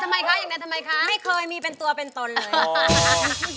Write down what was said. อย่างแน่นทำไมคะไม่เคยมีเป็นตัวเป็นตนเลย